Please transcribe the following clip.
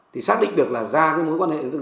thì xác định được là ra cái mối quan hệ